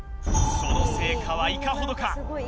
その成果はいかほどか？